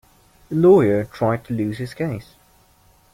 The lawyer tried to lose his case.